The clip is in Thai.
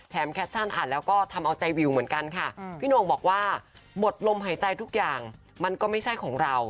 แคปชั่นอ่านแล้วก็ทำเอาใจวิวเหมือนกันค่ะพี่โน่งบอกว่าหมดลมหายใจทุกอย่างมันก็ไม่ใช่ของเรา